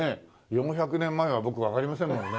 ４００年前は僕わかりませんもんね。